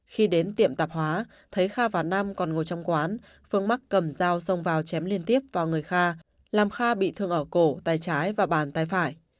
khi đến tiệm tạp hóa thấy kha và nam còn ngồi trong quán phương mắc cầm dao xông vào chém liên tiếp vào người kha làm kha bị thương ở cổ tay trái và bàn tay phải